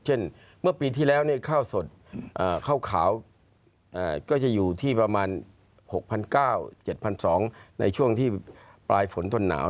เมื่อปีที่แล้วข้าวสดข้าวขาวก็จะอยู่ที่ประมาณ๖๙๗๒๐๐ในช่วงที่ปลายฝนต้นหนาว